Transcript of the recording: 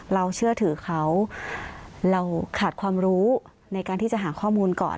เราเชื่อถือเขาเราขาดความรู้ในการที่จะหาข้อมูลก่อน